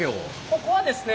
ここはですね